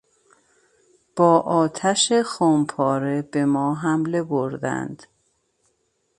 با آتش خمپاره بما حمله بردند.